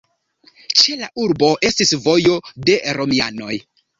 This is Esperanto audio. Ĉe la urbo estis vojo de romianoj.